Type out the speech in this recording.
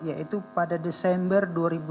yaitu pada desember